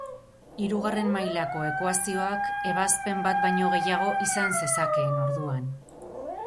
Hirugarren mailako ekuazioak ebazpen bat baino gehiago izan zezakeen, orduan?